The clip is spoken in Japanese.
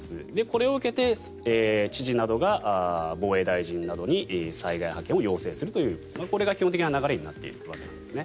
これを受けて、知事などが防衛大臣などに災害派遣を要請するというこれが基本的な流れになっているわけなんです。